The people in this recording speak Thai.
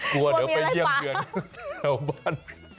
กลัวเดี๋ยวไปเยี่ยมเยือนแถวบ้าน